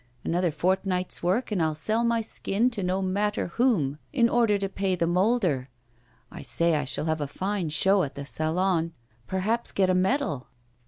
Another fortnight's work, and I'll sell my skin to no matter whom in order to pay the moulder. I say, I shall have a fine show at the Salon, perhaps get a medal.